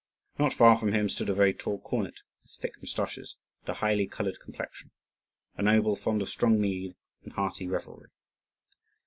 Not far from him stood a very tall cornet, with thick moustaches and a highly coloured complexion a noble fond of strong mead and hearty revelry.